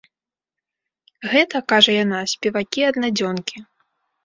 Гэта, кажа яна, спевакі-аднадзёнкі.